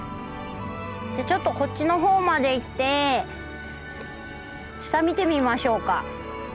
ちょっとこっちの方まで行って下見てみましょうか。